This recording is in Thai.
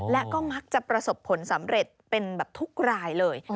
และก็มักจะประสบผลสำเร็จเป็นแบบทุกรายเลย